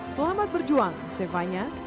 selamat berjuang zevanya